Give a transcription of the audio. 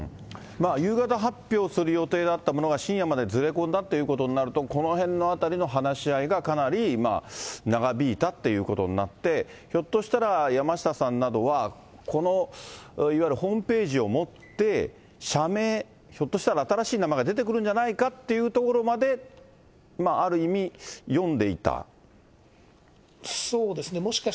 夕方発表する予定だったものが深夜までずれ込んだということになると、このへんのあたりの話し合いがかなり長引いたということになって、ひょっとしたら、山下さんなどは、この、いわゆるホームページをもって、社名、ひょっとしたら新しい名前が出てくるんじゃないかというところまで、ある意味、そうですね。